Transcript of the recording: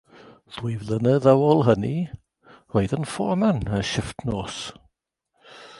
Ddwy flynedd ar ôl hynny, roedd yn fforman y shifft nos.